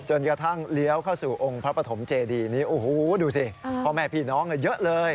จนกระทั่งเลี้ยวเข้าสู่องค์พระปฐมเจดีนี้โอ้โหดูสิพ่อแม่พี่น้องเยอะเลย